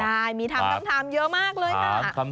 ใช่มีถามเยอะมากเลยค่ะ